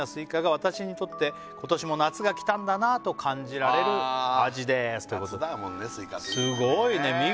「私にとって今年も夏がきたんだなと感じられる味です」ということで夏だもんね